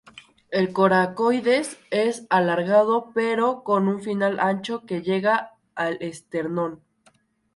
El coracoides es alargado pero con un final ancho que llega al esternón.